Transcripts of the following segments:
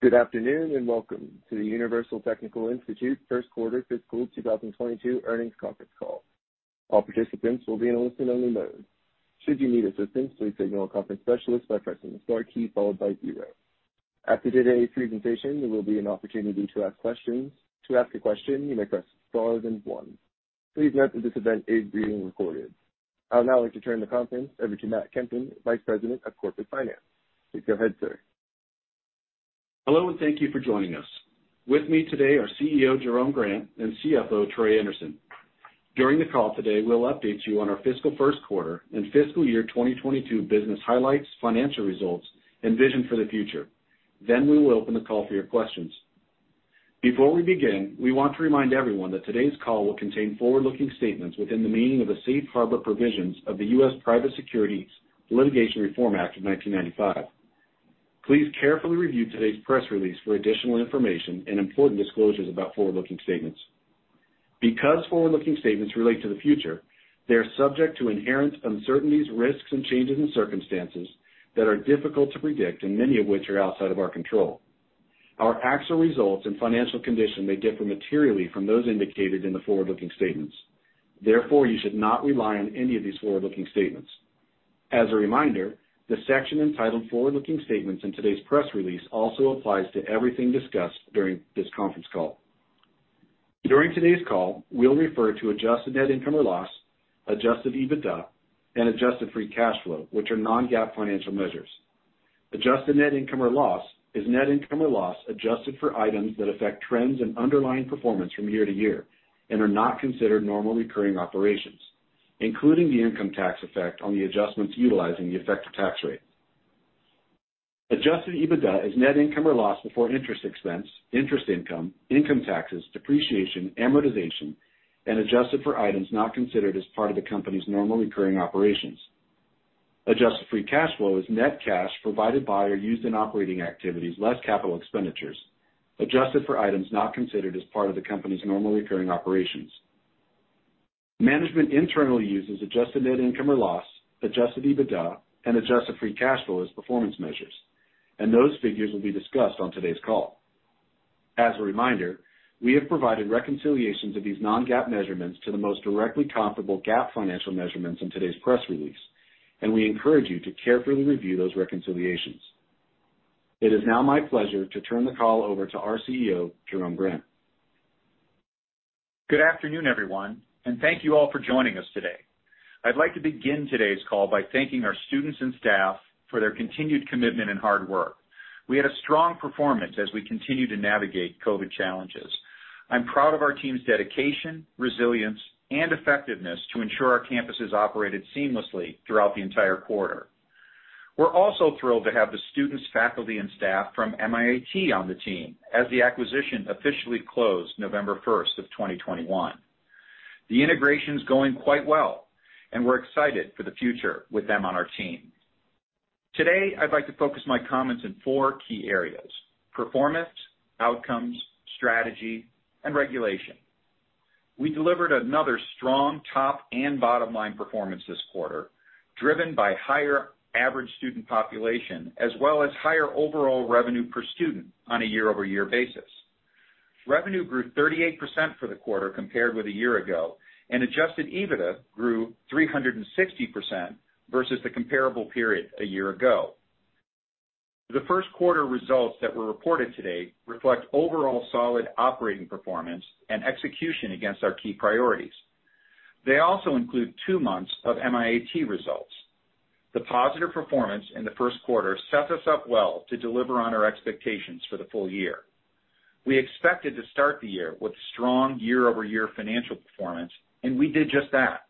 Good afternoon, and welcome to the Universal Technical Institute First Quarter Fiscal 2022 Earnings Conference Call. All participants will be in a listen-only mode. After today's presentation, there will be an opportunity to ask questions. Please note that this event is being recorded. I would now like to turn the conference over to Matt Kempton, Vice President of Corporate Finance. Go ahead, sir. Hello, and thank you for joining us. With me today are CEO Jerome Grant and CFO Troy Anderson. During the call today, we'll update you on our fiscal first quarter and fiscal year 2022 business highlights, financial results, and vision for the future. Then we will open the call for your questions. Before we begin, we want to remind everyone that today's call will contain forward-looking statements within the meaning of the Safe Harbor provisions of the U.S. Private Securities Litigation Reform Act of 1995. Please carefully review today's press release for additional information and important disclosures about forward-looking statements. Because forward-looking statements relate to the future, they are subject to inherent uncertainties, risks, and changes in circumstances that are difficult to predict and many of which are outside of our control. Our actual results and financial condition may differ materially from those indicated in the forward-looking statements. Therefore, you should not rely on any of these forward-looking statements. As a reminder, the section entitled Forward-Looking Statements in today's press release also applies to everything discussed during this conference call. During today's call, we'll refer to adjusted net income or loss, adjusted EBITDA, and adjusted free cash flow, which are non-GAAP financial measures. Adjusted net income or loss is net income or loss adjusted for items that affect trends and underlying performance from year to year and are not considered normal recurring operations, including the income tax effect on the adjustments utilizing the effective tax rate. Adjusted EBITDA is net income or loss before interest expense, interest income taxes, depreciation, amortization, and adjusted for items not considered as part of the company's normal recurring operations. Adjusted free cash flow is net cash provided by or used in operating activities less capital expenditures, adjusted for items not considered as part of the company's normal recurring operations. Management internally uses adjusted net income or loss, adjusted EBITDA, and adjusted free cash flow as performance measures, and those figures will be discussed on today's call. As a reminder, we have provided reconciliations of these non-GAAP measurements to the most directly comparable GAAP financial measurements in today's press release, and we encourage you to carefully review those reconciliations. It is now my pleasure to turn the call over to our CEO, Jerome Grant. Good afternoon, everyone, and thank you all for joining us today. I'd like to begin today's call by thanking our students and staff for their continued commitment and hard work. We had a strong performance as we continue to navigate COVID challenges. I'm proud of our team's dedication, resilience, and effectiveness to ensure our campuses operated seamlessly throughout the entire quarter. We're also thrilled to have the students, faculty, and staff from MIAT on the team as the acquisition officially closed November 1, 2021. The integration's going quite well, and we're excited for the future with them on our team. Today, I'd like to focus my comments in four key areas, performance, outcomes, strategy, and regulation. We delivered another strong top and bottom line performance this quarter, driven by higher average student population as well as higher overall revenue per student on a year-over-year basis. Revenue grew 38% for the quarter compared with a year ago, and adjusted EBITDA grew 360% versus the comparable period a year ago. The first quarter results that were reported today reflect overall solid operating performance and execution against our key priorities. They also include two months of MIAT results. The positive performance in the first quarter sets us up well to deliver on our expectations for the full year. We expected to start the year with strong year-over-year financial performance, and we did just that.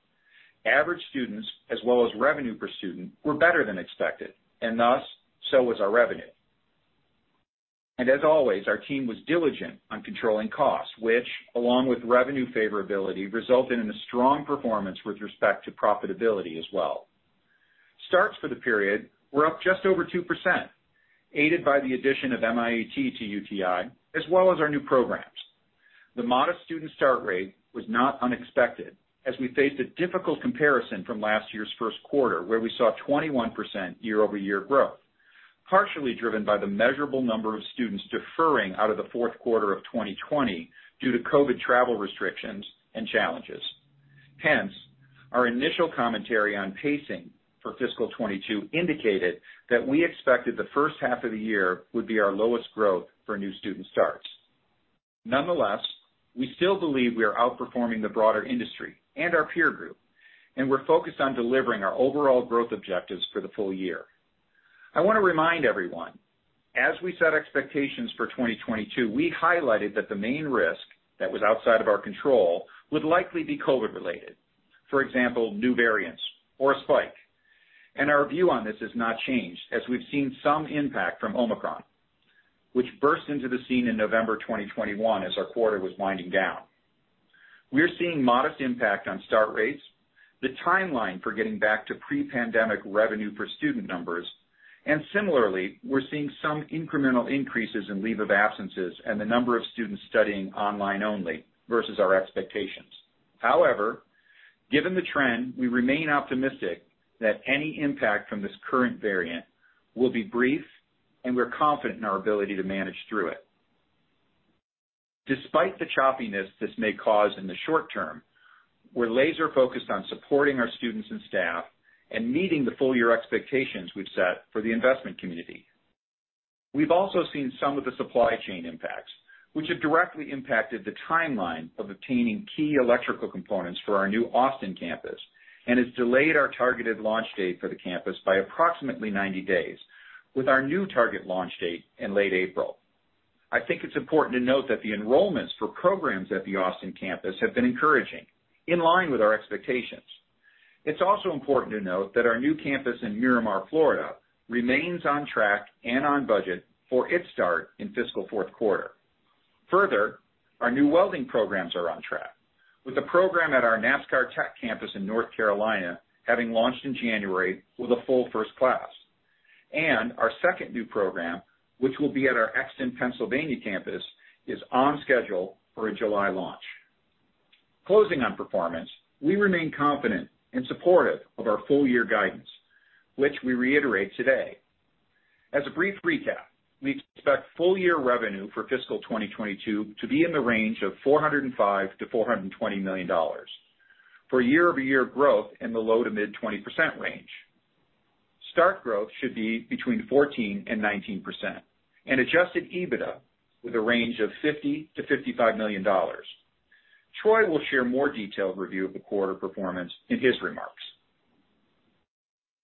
Average students as well as revenue per student were better than expected, and thus, so was our revenue. As always, our team was diligent on controlling costs, which along with revenue favorability, resulted in a strong performance with respect to profitability as well. Starts for the period were up just over 2%, aided by the addition of MIAT to UTI, as well as our new programs. The modest student start rate was not unexpected, as we faced a difficult comparison from last year's first quarter, where we saw 21% year-over-year growth, partially driven by the measurable number of students deferring out of the fourth quarter of 2020 due to COVID travel restrictions and challenges. Hence, our initial commentary on pacing for fiscal 2022 indicated that we expected the first half of the year would be our lowest growth for new student starts. Nonetheless, we still believe we are outperforming the broader industry and our peer group, and we're focused on delivering our overall growth objectives for the full year. I wanna remind everyone, as we set expectations for 2022, we highlighted that the main risk that was outside of our control would likely be COVID-related. For example, new variants or a spike. Our view on this has not changed, as we've seen some impact from Omicron, which burst into the scene in November 2021 as our quarter was winding down. We're seeing modest impact on start rates, the timeline for getting back to pre-pandemic revenue per student numbers, and similarly, we're seeing some incremental increases in leave of absences and the number of students studying online only versus our expectations. However, given the trend, we remain optimistic that any impact from this current variant will be brief, and we're confident in our ability to manage through it. Despite the choppiness this may cause in the short term, we're laser-focused on supporting our students and staff and meeting the full-year expectations we've set for the investment community. We've also seen some of the supply chain impacts, which have directly impacted the timeline of obtaining key electrical components for our new Austin campus and has delayed our targeted launch date for the campus by approximately 90 days, with our new target launch date in late April. I think it's important to note that the enrollments for programs at the Austin campus have been encouraging, in line with our expectations. It's also important to note that our new campus in Miramar, Florida, remains on track and on budget for its start in fiscal fourth quarter. Further, our new welding programs are on track, with the program at our NASCAR Tech campus in North Carolina having launched in January with a full first class. Our second new program, which will be at our Exton, Pennsylvania, campus, is on schedule for a July launch. Closing on performance, we remain confident and supportive of our full-year guidance, which we reiterate today. As a brief recap, we expect full-year revenue for fiscal 2022 to be in the range of $405 million-$420 million, year-over-year growth in the low to mid 20% range. Starts growth should be between 14%-19%, and adjusted EBITDA with a range of $50 million-$55 million. Troy will share more detailed review of the quarter performance in his remarks.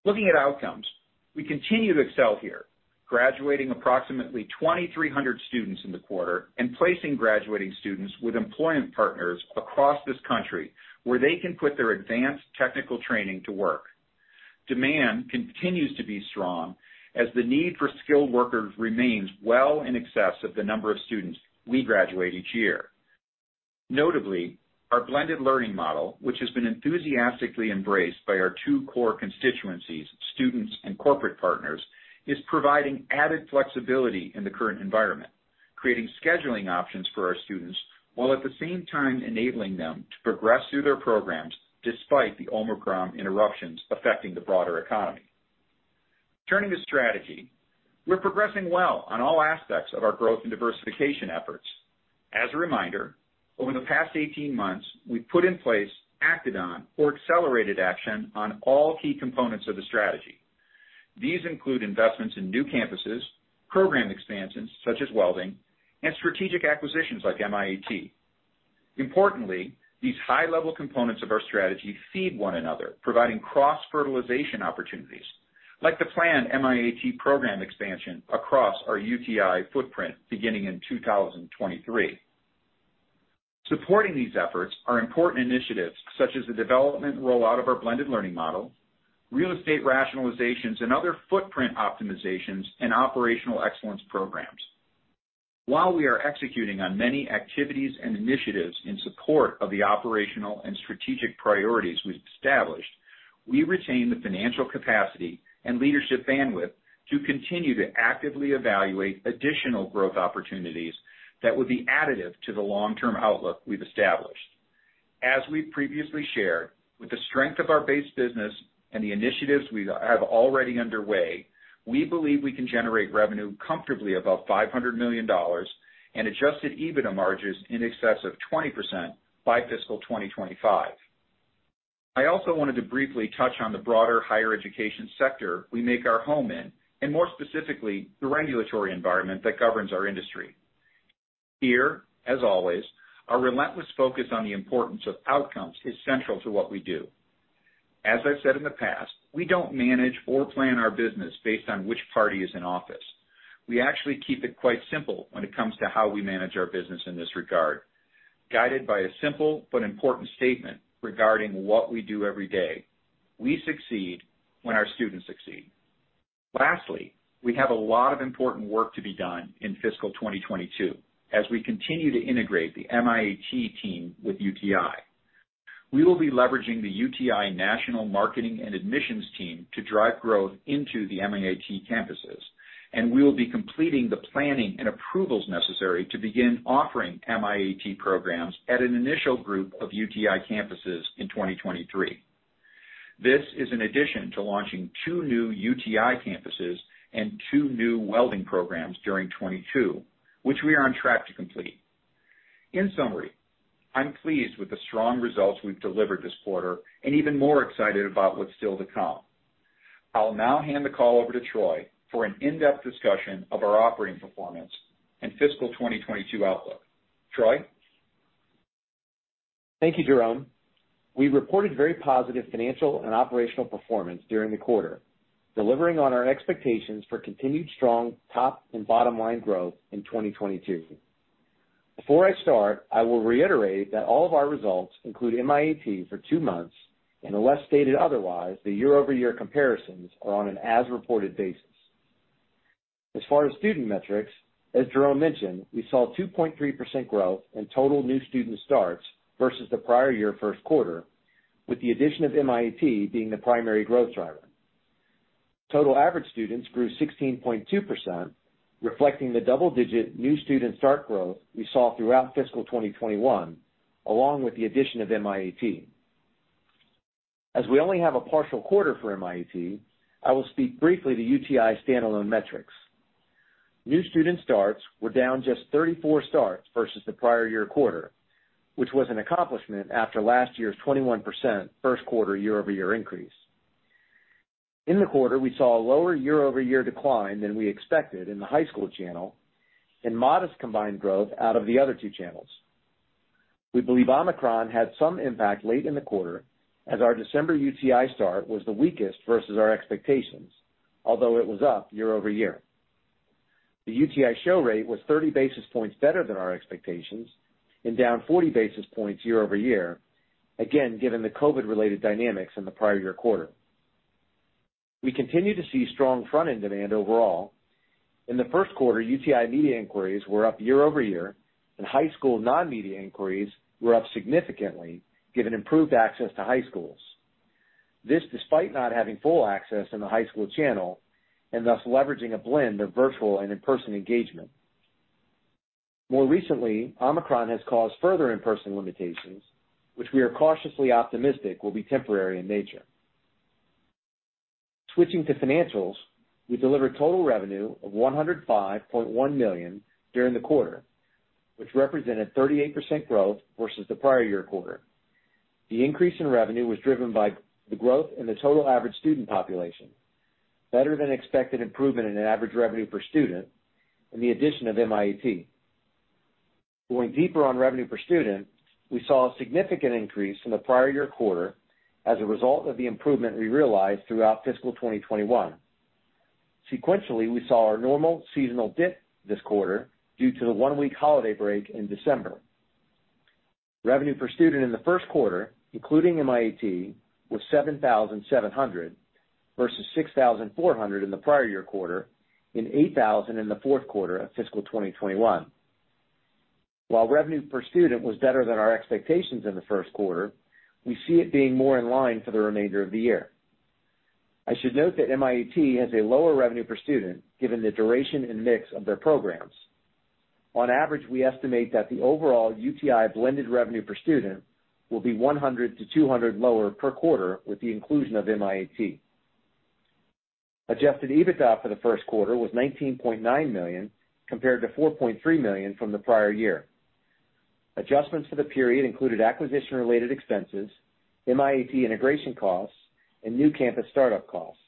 Looking at outcomes, we continue to excel here, graduating approximately 2,300 students in the quarter and placing graduating students with employment partners across this country where they can put their advanced technical training to work. Demand continues to be strong, as the need for skilled workers remains well in excess of the number of students we graduate each year. Notably, our blended learning model, which has been enthusiastically embraced by our two core constituencies, students and corporate partners, is providing added flexibility in the current environment, creating scheduling options for our students while at the same time enabling them to progress through their programs despite the Omicron interruptions affecting the broader economy. Turning to strategy, we're progressing well on all aspects of our growth and diversification efforts. As a reminder, over the past 18 months, we've put in place, acted on, or accelerated action on all key components of the strategy. These include investments in new campuses, program expansions such as welding, and strategic acquisitions like MIAT. Importantly, these high-level components of our strategy feed one another, providing cross-fertilization opportunities like the planned MIAT program expansion across our UTI footprint beginning in 2023. Supporting these efforts are important initiatives such as the development and rollout of our blended learning model, real estate rationalizations and other footprint optimizations, and operational excellence programs. While we are executing on many activities and initiatives in support of the operational and strategic priorities we've established, we retain the financial capacity and leadership bandwidth to continue to actively evaluate additional growth opportunities that would be additive to the long-term outlook we've established. As we previously shared, with the strength of our base business and the initiatives we have already underway, we believe we can generate revenue comfortably above $500 million and adjusted EBITDA margins in excess of 20% by fiscal 2025. I also wanted to briefly touch on the broader higher education sector we make our home in, and more specifically, the regulatory environment that governs our industry. Here, as always, our relentless focus on the importance of outcomes is central to what we do. As I've said in the past, we don't manage or plan our business based on which party is in office. We actually keep it quite simple when it comes to how we manage our business in this regard, guided by a simple but important statement regarding what we do every day. We succeed when our students succeed. Lastly, we have a lot of important work to be done in fiscal 2022 as we continue to integrate the MIAT team with UTI. We will be leveraging the UTI national marketing and admissions team to drive growth into the MIAT campuses, and we will be completing the planning and approvals necessary to begin offering MIAT programs at an initial group of UTI campuses in 2023. This is in addition to launching two new UTI campuses and two new welding programs during 2022, which we are on track to complete. In summary, I'm pleased with the strong results we've delivered this quarter and even more excited about what's still to come. I'll now hand the call over to Troy for an in-depth discussion of our operating performance and fiscal 2022 outlook. Troy? Thank you, Jerome. We reported very positive financial and operational performance during the quarter, delivering on our expectations for continued strong top and bottom-line growth in 2022. Before I start, I will reiterate that all of our results include MIAT for two months, and unless stated otherwise, the year-over-year comparisons are on an as-reported basis. As far as student metrics, as Jerome mentioned, we saw 2.3% growth in total new student starts versus the prior year first quarter, with the addition of MIAT being the primary growth driver. Total average students grew 16.2%, reflecting the double-digit new student start growth we saw throughout fiscal 2021, along with the addition of MIAT. As we only have a partial quarter for MIAT, I will speak briefly to UTI standalone metrics. New student starts were down just 34 starts versus the prior year quarter, which was an accomplishment after last year's 21% first quarter year-over-year increase. In the quarter, we saw a lower year-over-year decline than we expected in the high school channel and modest combined growth out of the other two channels. We believe Omicron had some impact late in the quarter as our December UTI start was the weakest versus our expectations, although it was up year-over-year. The UTI show rate was 30 basis points better than our expectations and down 40 basis points year-over-year, again, given the COVID-related dynamics in the prior year quarter. We continue to see strong front-end demand overall. In the first quarter, UTI media inquiries were up year-over-year, and high school non-media inquiries were up significantly given improved access to high schools. This despite not having full access in the high school channel and thus leveraging a blend of virtual and in-person engagement. More recently, Omicron has caused further in-person limitations, which we are cautiously optimistic will be temporary in nature. Switching to financials, we delivered total revenue of $105.1 million during the quarter, which represented 38% growth versus the prior year quarter. The increase in revenue was driven by the growth in the total average student population, better than expected improvement in average revenue per student, and the addition of MIAT. Going deeper on revenue per student, we saw a significant increase from the prior year quarter as a result of the improvement we realized throughout fiscal 2021. Sequentially, we saw our normal seasonal dip this quarter due to the one-week holiday break in December. Revenue per student in the first quarter, including MIAT, was $7,700 versus $6,400 in the prior year quarter and $8,000 in the fourth quarter of fiscal 2021. While revenue per student was better than our expectations in the first quarter, we see it being more in line for the remainder of the year. I should note that MIAT has a lower revenue per student given the duration and mix of their programs. On average, we estimate that the overall UTI blended revenue per student will be $100-$200 lower per quarter with the inclusion of MIAT. Adjusted EBITDA for the first quarter was $19.9 million, compared to $4.3 million from the prior year. Adjustments for the period included acquisition-related expenses, MIAT integration costs, and new campus startup costs.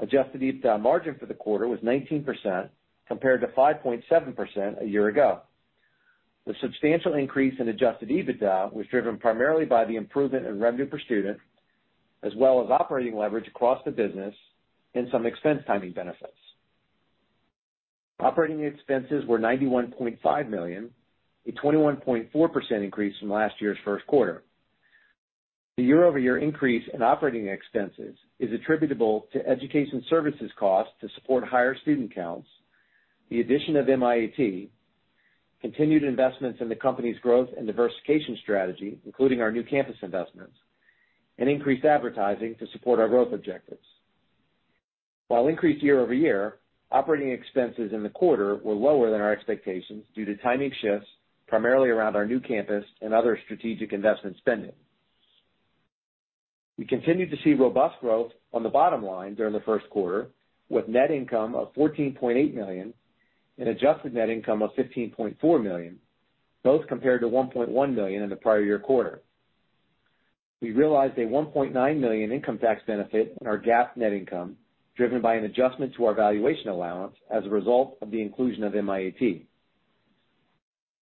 Adjusted EBITDA margin for the quarter was 19%, compared to 5.7% a year ago. The substantial increase in adjusted EBITDA was driven primarily by the improvement in revenue per student, as well as operating leverage across the business and some expense timing benefits. Operating expenses were $91.5 million, a 21.4% increase from last year's first quarter. The year-over-year increase in operating expenses is attributable to education services costs to support higher student counts, the addition of MIAT, continued investments in the company's growth and diversification strategy, including our new campus investments, and increased advertising to support our growth objectives. While increased year-over-year, operating expenses in the quarter were lower than our expectations due to timing shifts, primarily around our new campus and other strategic investment spending. We continued to see robust growth on the bottom line during the first quarter, with net income of $14.8 million and adjusted net income of $15.4 million, both compared to $1.1 million in the prior year quarter. We realized a $1.9 million income tax benefit in our GAAP net income, driven by an adjustment to our valuation allowance as a result of the inclusion of MIAT.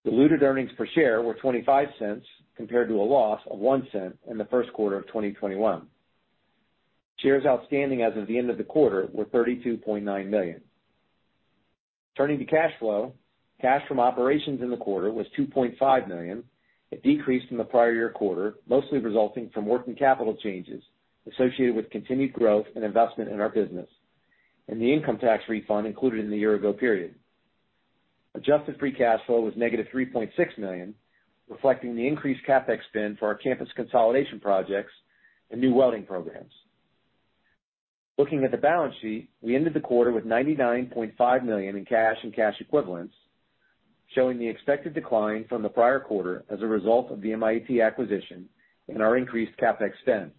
Diluted earnings per share were $0.25 compared to a loss of $0.01 in the first quarter of 2021. Shares outstanding as of the end of the quarter were 32.9 million. Turning to cash flow. Cash from operations in the quarter was $2.5 million, a decrease from the prior year quarter, mostly resulting from working capital changes associated with continued growth and investment in our business, and the income tax refund included in the year-ago period. Adjusted free cash flow was -$3.6 million, reflecting the increased CapEx spend for our campus consolidation projects and new welding programs. Looking at the balance sheet, we ended the quarter with $99.5 million in cash and cash equivalents, showing the expected decline from the prior quarter as a result of the MIAT acquisition and our increased CapEx spend.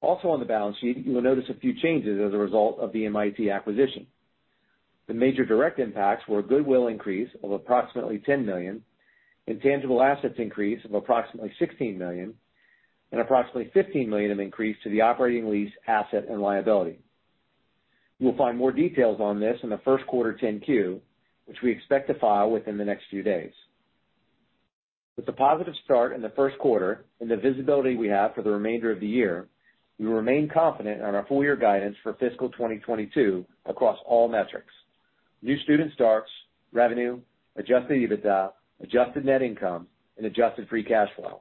Also on the balance sheet, you will notice a few changes as a result of the MIAT acquisition. The major direct impacts were a goodwill increase of approximately $10 million, a tangible assets increase of approximately $16 million, and approximately $15 million of increase to the operating lease asset and liability. You will find more details on this in the first quarter 10-Q, which we expect to file within the next few days. With a positive start in the first quarter and the visibility we have for the remainder of the year, we remain confident on our full year guidance for fiscal 2022 across all metrics, new student starts, revenue, adjusted EBITDA, adjusted net income, and adjusted free cash flow.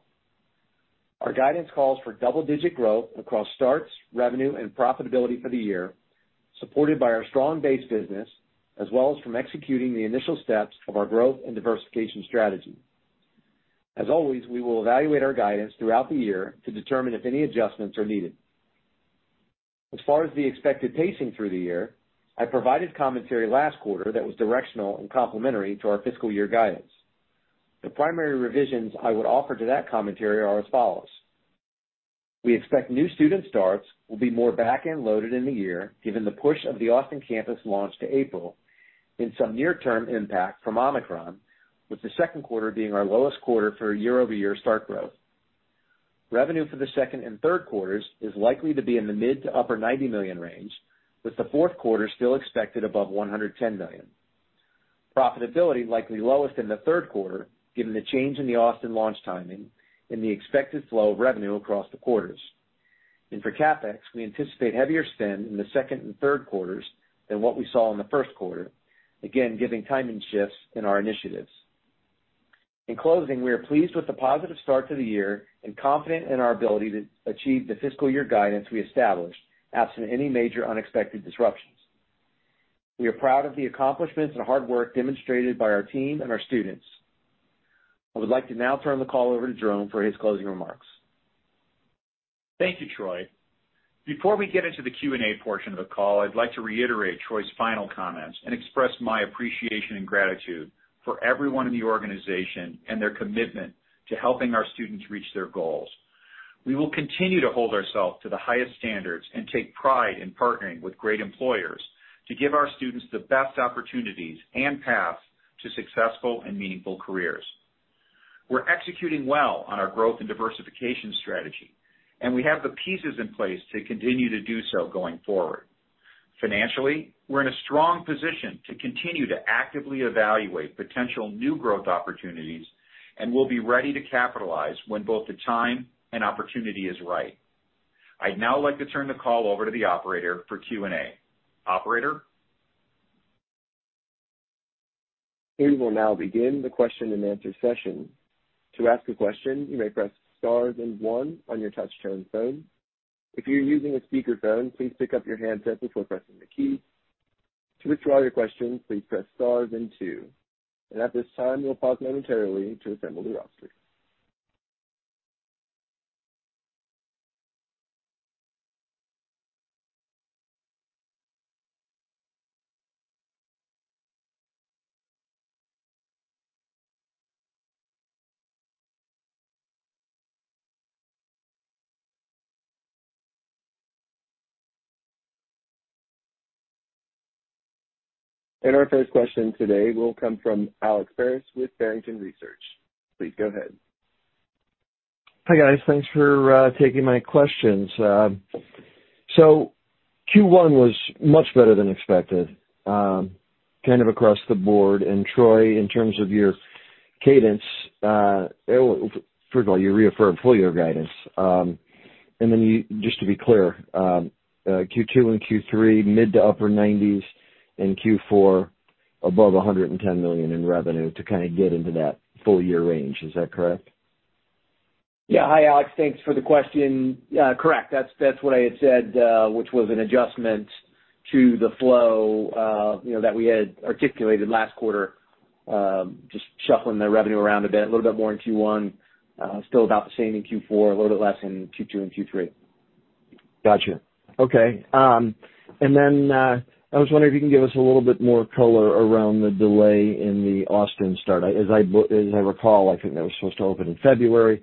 Our guidance calls for double-digit growth across starts, revenue, and profitability for the year, supported by our strong base business, as well as from executing the initial steps of our growth and diversification strategy. As always, we will evaluate our guidance throughout the year to determine if any adjustments are needed. As far as the expected pacing through the year, I provided commentary last quarter that was directional and complementary to our fiscal year guidance. The primary revisions I would offer to that commentary are as follows: We expect new student starts will be more back-end loaded in the year, given the push of the Austin campus launch to April and some near-term impact from Omicron, with the second quarter being our lowest quarter for year-over-year start growth. Revenue for the second and third quarters is likely to be in the mid- to upper $90 million range, with the fourth quarter still expected above $110 million. Profitability likely lowest in the third quarter given the change in the Austin launch timing and the expected flow of revenue across the quarters. For CapEx, we anticipate heavier spend in the second and third quarters than what we saw in the first quarter, again, giving timing shifts in our initiatives. In closing, we are pleased with the positive start to the year and confident in our ability to achieve the fiscal year guidance we established, absent any major unexpected disruptions. We are proud of the accomplishments and hard work demonstrated by our team and our students. I would like to now turn the call over to Jerome for his closing remarks. Thank you, Troy. Before we get into the Q&A portion of the call, I'd like to reiterate Troy's final comments and express my appreciation and gratitude for everyone in the organization and their commitment to helping our students reach their goals. We will continue to hold ourselves to the highest standards and take pride in partnering with great employers to give our students the best opportunities and paths to successful and meaningful careers. We're executing well on our growth and diversification strategy, and we have the pieces in place to continue to do so going forward. Financially, we're in a strong position to continue to actively evaluate potential new growth opportunities, and we'll be ready to capitalize when both the time and opportunity is right. I'd now like to turn the call over to the operator for Q&A. Operator? We will now begin the question-and-answer session. To ask a question, you may press star then one on your touch-tone phone. If you're using a speakerphone, please pick up your handset before pressing the key. To withdraw your question, please press stars and two. At this time, we'll pause momentarily to assemble the roster. Our first question today will come from Alex Paris with Barrington Research. Please go ahead. Hi, guys. Thanks for taking my questions. Q1 was much better than expected, kind of across the board. Troy, in terms of your cadence, first of all, you reaffirmed full year guidance. Just to be clear, Q2 and Q3, mid- to upper 90s, and Q4 above $110 million in revenue to kind of get into that full year range. Is that correct? Yeah. Hi, Alex. Thanks for the question. Correct. That's what I had said, which was an adjustment to the flow, you know, that we had articulated last quarter. Just shuffling the revenue around a bit, a little bit more in Q1, still about the same in Q4, a little bit less in Q2 and Q3. Gotcha. Okay. I was wondering if you can give us a little bit more color around the delay in the Austin start. As I recall, I think that was supposed to open in February.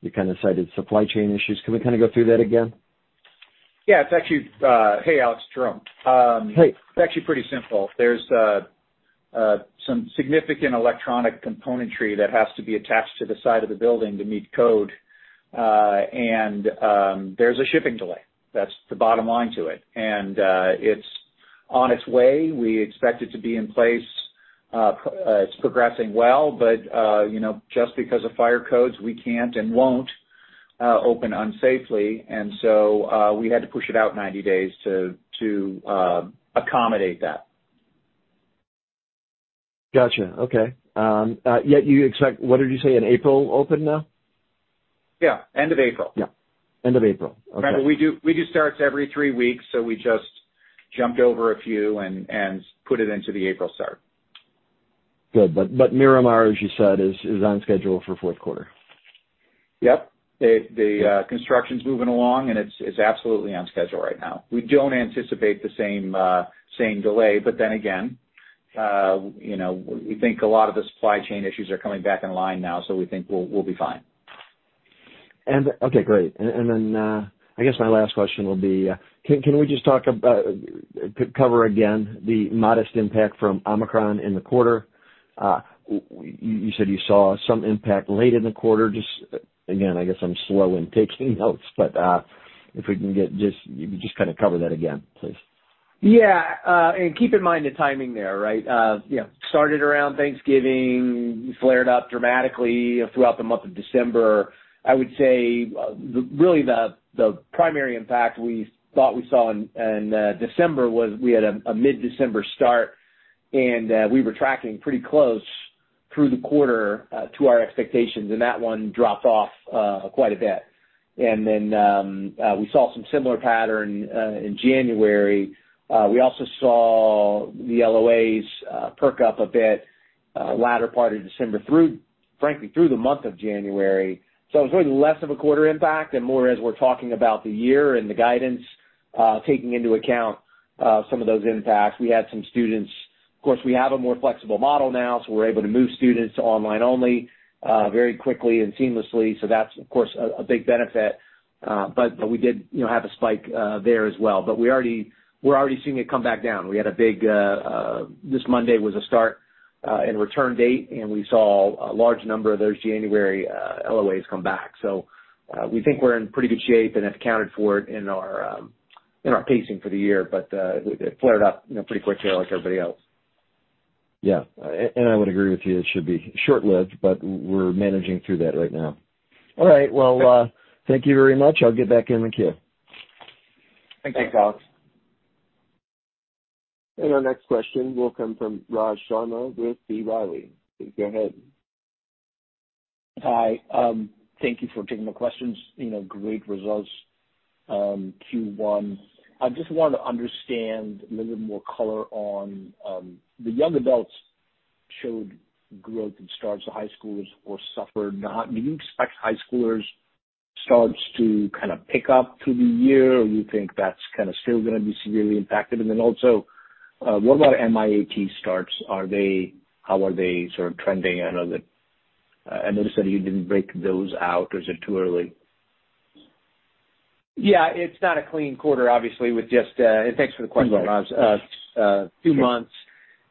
You kind of cited supply chain issues. Can we kind of go through that again? Yeah, it's actually, hey, Alex. Jerome. Hey. It's actually pretty simple. There's some significant electronic componentry that has to be attached to the side of the building to meet code. There's a shipping delay. That's the bottom line to it. It's on its way. We expect it to be in place. It's progressing well, but you know, just because of fire codes, we can't and won't open unsafely. We had to push it out 90 days to accommodate that. Gotcha. Okay. What did you say, an April open now? Yeah, end of April. Yeah, end of April. Okay. We do starts every three weeks, so we just jumped over a few and put it into the April start. Good. Miramar, as you said, is on schedule for fourth quarter. Yep. The construction's moving along, and it's absolutely on schedule right now. We don't anticipate the same delay, but then again, you know, we think a lot of the supply chain issues are coming back in line now, so we think we'll be fine. Okay, great. Then, I guess my last question will be, can we just talk about cover again the modest impact from Omicron in the quarter? You said you saw some impact late in the quarter. Just again, I guess I'm slow in taking notes, but if we can get just, you just kinda cover that again, please. Yeah. Keep in mind the timing there, right? You know, it started around Thanksgiving, flared up dramatically throughout the month of December. I would say really the primary impact we thought we saw in December was we had a mid-December start, and we were tracking pretty close through the quarter to our expectations, and that one dropped off quite a bit. We saw some similar pattern in January. We also saw the LOAs perk up a bit, latter part of December through, frankly, through the month of January. It was really less of a quarter impact and more as we're talking about the year and the guidance taking into account some of those impacts. We had some students. Of course, we have a more flexible model now, so we're able to move students to online only very quickly and seamlessly. That's, of course, a big benefit. We did, you know, have a spike there as well. We're already seeing it come back down. We had a big this Monday was a start and return date, and we saw a large number of those January LOAs come back. We think we're in pretty good shape and have accounted for it in our pacing for the year. It flared up, you know, pretty quickly like everybody else. I would agree with you, it should be short-lived, but we're managing through that right now. All right. Well, thank you very much. I'll get back in the queue. Thank you. Thanks, Alex. Our next question will come from Raj Sharma with B. Riley. Please go ahead. Hi. Thank you for taking the questions. You know, great results, Q1. I just wanted to understand a little bit more color on the young adults showed growth in starts, too, high schoolers or not. Do you expect high schoolers starts to kind of pick up through the year, or you think that's kind of still gonna be severely impacted? Then also, what about MIAT starts? How are they sort of trending? I noticed that you didn't break those out, or is it too early? Yeah, it's not a clean quarter, obviously, with just... Thanks for the question, Raj. Two months.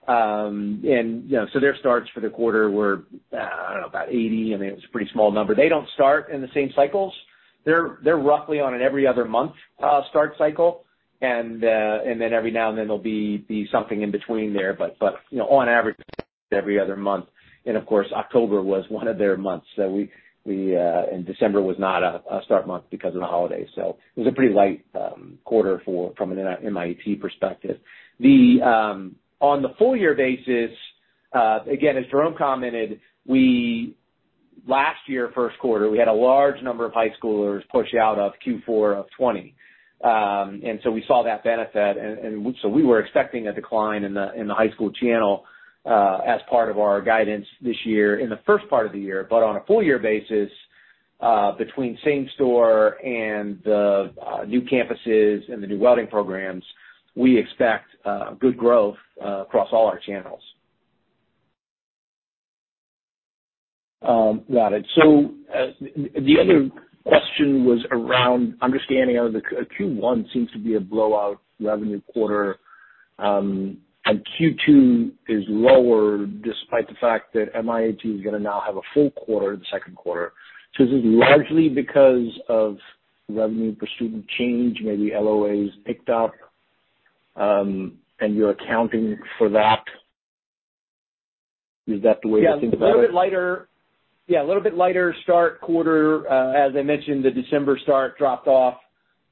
You know, their starts for the quarter were, I don't know, about 80. I mean, it was a pretty small number. They don't start in the same cycles. They're roughly on an every other month start cycle. Then every now and then there'll be something in between there. But you know, on average every other month. Of course, October was one of their months. So we, December was not a start month because of the holidays. It was a pretty light quarter from an MIAT perspective. On the full year basis, again, as Jerome commented, last year first quarter we had a large number of high schoolers push out of Q4 of 2020. We saw that benefit. We were expecting a decline in the high school channel as part of our guidance this year in the first part of the year. On a full year basis, between same store and new campuses and the new welding programs, we expect good growth across all our channels. Got it. The other question was around understanding how the Q1 seems to be a blowout revenue quarter, and Q2 is lower despite the fact that MIAT is gonna now have a full quarter the second quarter. Is it largely because of revenue per student change, maybe LOAs picked up, and you're accounting for that? Is that the way to think about it? Yeah. A little bit lighter. Yeah, a little bit lighter start quarter. As I mentioned, the December start dropped off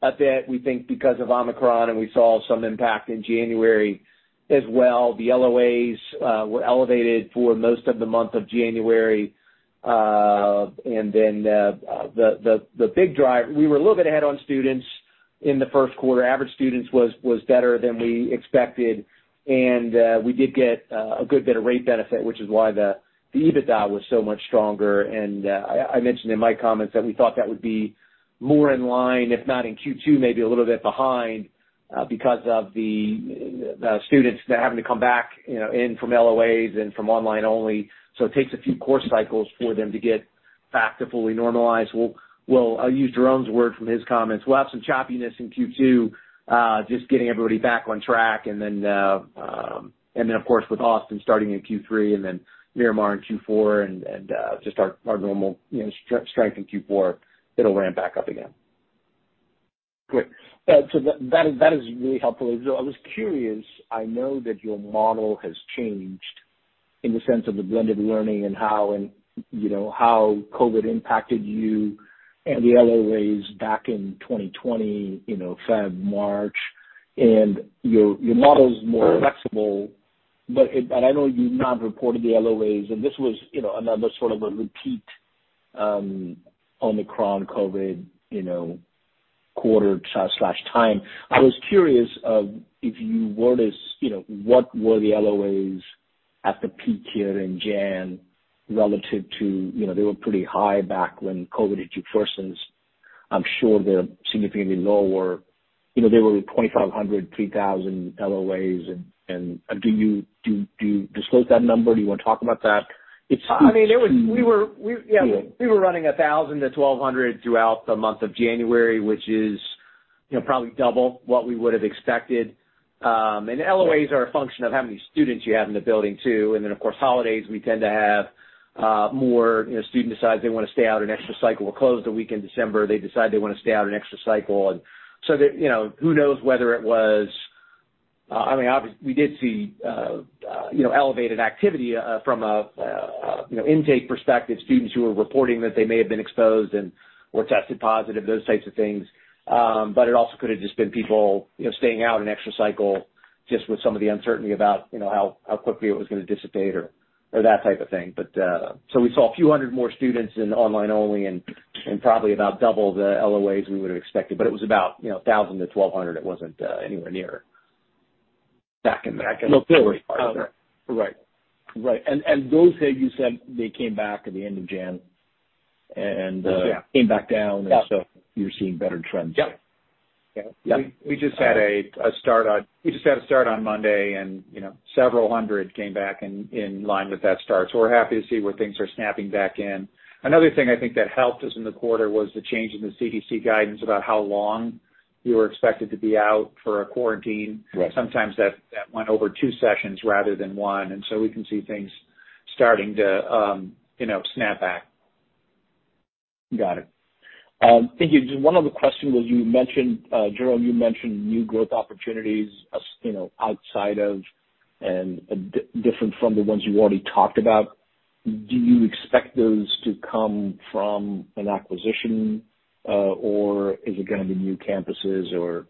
a bit, we think because of Omicron, and we saw some impact in January as well. The LOAs were elevated for most of the month of January. Then, the big drive. We were a little bit ahead on students in the first quarter. Average students was better than we expected. We did get a good bit of rate benefit, which is why the EBITDA was so much stronger. I mentioned in my comments that we thought that would be more in line, if not in Q2, maybe a little bit behind, because of the students that are having to come back, you know, in from LOAs and from online only. It takes a few course cycles for them to get back to fully normalized. I'll use Jerome's word from his comments. We'll have some choppiness in Q2, just getting everybody back on track. Of course, with Austin starting in Q3 and then Miramar in Q4 and just our normal, you know, strength in Q4, it'll ramp back up again. Great. That is really helpful. I was curious. I know that your model has changed in the sense of the blended learning and how, you know, how COVID impacted you and the LOAs back in 2020, you know, February, March, and your model is more flexible, but I know you've not reported the LOAs, and this was, you know, another sort of a repeat, Omicron COVID, you know, first quarter time. I was curious if you were to. You know, what were the LOAs at the peak here in January relative to, you know, they were pretty high back when COVID hit you first. I'm sure they're significantly lower. You know, they were 2,500, 3,000 LOAs. Do you disclose that number? Do you wanna talk about that? It's. We were running 1,000-1,200 throughout the month of January, which is, you know, probably double what we would have expected. LOAs are a function of how many students you have in the building too. Of course, holidays, we tend to have more, you know, student decides they wanna stay out an extra cycle. We're closed the week in December, they decide they wanna stay out an extra cycle. That, you know, who knows whether it was. We did see, you know, elevated activity from a intake perspective, students who were reporting that they may have been exposed and were tested positive, those types of things. It also could have just been people, you know, staying out an extra cycle. Just with some of the uncertainty about, you know, how quickly it was gonna dissipate or that type of thing. We saw a few hundred more students in online only and probably about double the LOAs we would have expected, but it was about, you know, 1,000 to 1,200. It wasn't anywhere near back in that Right. Those that you said they came back at the end of January and. Yes. Came back down. Yeah. You're seeing better trends. Yeah. Okay. We just had a start on Monday and, you know, several hundred came back in line with that start, so we're happy to see where things are snapping back in. Another thing I think that helped us in the quarter was the change in the CDC guidance about how long you were expected to be out for a quarantine. Right. Sometimes that went over two sessions rather than one, and so we can see things starting to, you know, snap back. Got it. Thank you. One other question was you mentioned, Jerome, new growth opportunities, you know, outside of and different from the ones you already talked about. Do you expect those to come from an acquisition, or is it gonna be new campuses or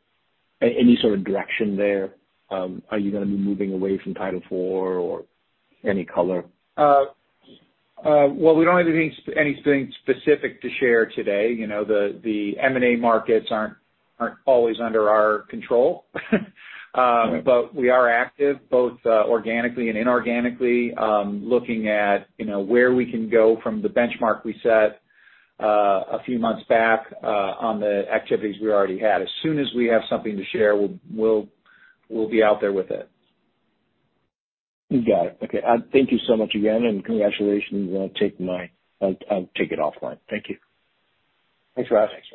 any sort of direction there? Are you gonna be moving away from Title IV or any color? Well, we don't have anything specific to share today. You know, the M&A markets aren't always under our control. We are active both organically and inorganically looking at, you know, where we can go from the benchmark we set a few months back on the activities we already had. As soon as we have something to share, we'll be out there with it. Got it. Okay. Thank you so much again, and congratulations. I'll take it offline. Thank you. Thanks for asking. Thanks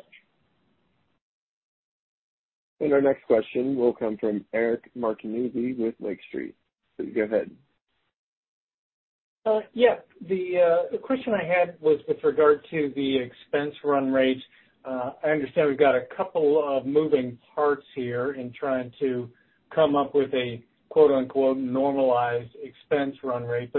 so much. Our next question will come from Eric Martinuzzi with Lake Street. Please go ahead. Yeah. The question I had was with regard to the expense run rate. I understand we've got a couple of moving parts here in trying to come up with a quote-unquote normalized expense run rate.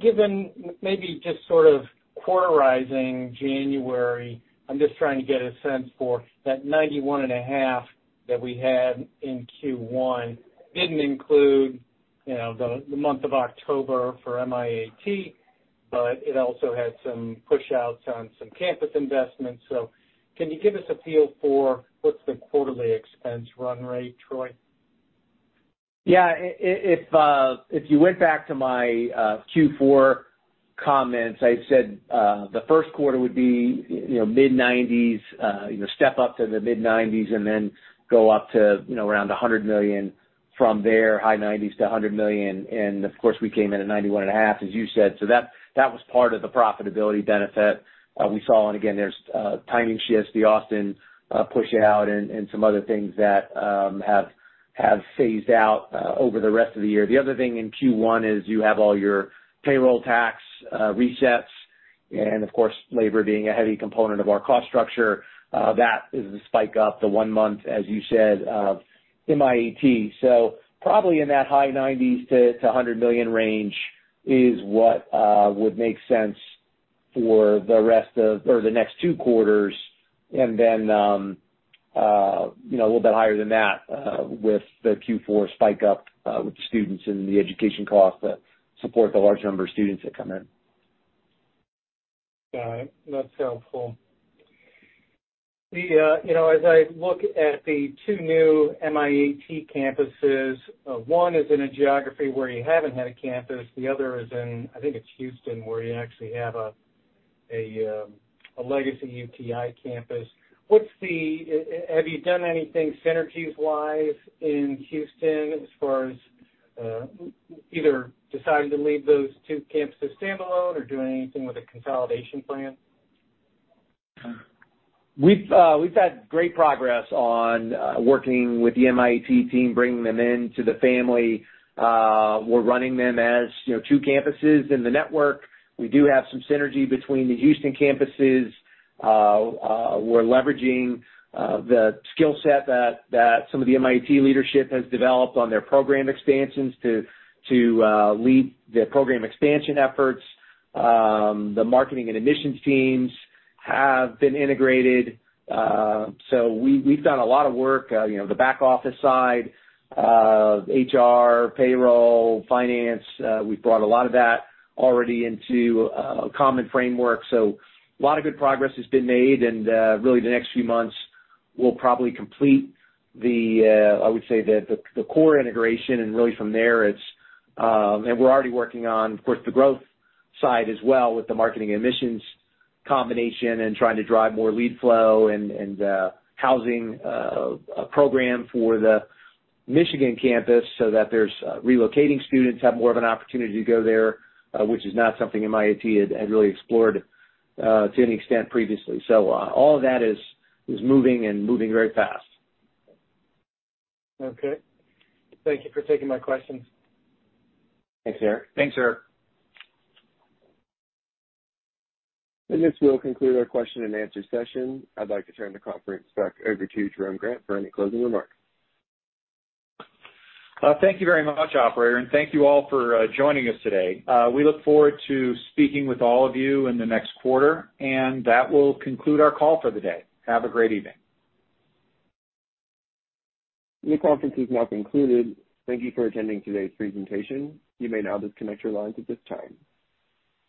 Given maybe just sort of quarterizing January, I'm just trying to get a sense for that $91.5 that we had in Q1 didn't include, you know, the month of October for MIAT, but it also had some push outs on some campus investments. Can you give us a feel for what's the quarterly expense run rate, Troy? If you went back to my Q4 comments, I said the first quarter would be, you know, mid-$90s, you know, step up to the mid-$90s and then go up to, you know, around $100 million from there, high $90s million-$100 million. Of course, we came in at $91.5 million, as you said. That was part of the profitability benefit we saw. Again, there's timing shifts, the Austin push out and some other things that have phased out over the rest of the year. The other thing in Q1 is you have all your payroll tax resets and of course, labor being a heavy component of our cost structure, that is the spike up, the one month, as you said, of MIAT. Probably in that high $90s million-$100 million range is what would make sense for the rest of or the next two quarters and then, you know, a little bit higher than that, with the Q4 spike up, with the students and the education costs that support the large number of students that come in. Got it. That's helpful. You know, as I look at the two new MIAT campuses, one is in a geography where you haven't had a campus, the other is in, I think it's Houston, where you actually have a legacy UTI campus. Have you done anything synergies wise in Houston as far as either deciding to leave those two campuses standalone or doing anything with a consolidation plan? We've had great progress on working with the MIAT team, bringing them into the family. We're running them as, you know, two campuses in the network. We do have some synergy between the Houston campuses. We're leveraging the skill set that some of the MIAT leadership has developed on their program expansions to lead the program expansion efforts. The marketing and admissions teams have been integrated. We've done a lot of work, you know, the back office side of HR, payroll, finance. We've brought a lot of that already into a common framework. A lot of good progress has been made, and really the next few months we'll probably complete the, I would say, the core integration, and really from there it's. We're already working on, of course, the growth side as well with the marketing admissions combination and trying to drive more lead flow and housing a program for the Michigan campus so that relocating students have more of an opportunity to go there, which is not something MIAT had really explored to any extent previously. All of that is moving and moving very fast. Okay. Thank you for taking my questions. Thanks, Eric. Thanks, Eric. This will conclude our question and answer session. I'd like to turn the conference back over to Jerome Grant for any closing remarks. Thank you very much, operator, and thank you all for joining us today. We look forward to speaking with all of you in the next quarter, and that will conclude our call for the day. Have a great evening. This conference is now concluded. Thank you for attending today's presentation. You may now disconnect your lines at this time.